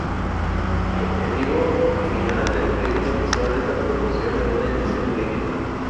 El objetivo final del crítico textual es la producción de una "edición crítica".